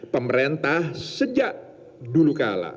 pemerintah sejak dulu kala